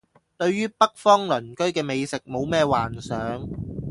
對於北方鄰居嘅美食冇咩幻想